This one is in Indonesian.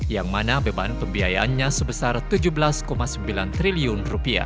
yang mana beban pembiayaannya sebesar rp tujuh belas sembilan triliun